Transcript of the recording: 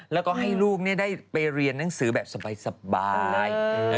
แล้วก็ให้ลูกได้ไปเรียนหนังสือแบบสบาย